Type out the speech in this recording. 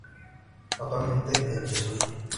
Actualmente en desuso.